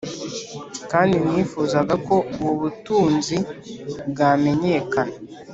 kandi nifuzaga ko ubu butunzi bwamenyekana,